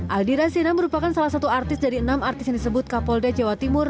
aldira sina merupakan salah satu artis dari enam artis yang disebut kapolda jawa timur